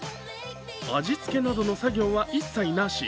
味つけなどの作業は一切なし。